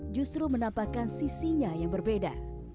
justru menampakkan sisinya yang berbeda